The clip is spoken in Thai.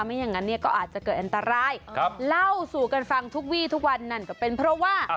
อย่างนั้นเนี่ยก็อาจจะเกิดอันตรายเล่าสู่กันฟังทุกวี่ทุกวันนั่นก็เป็นเพราะว่า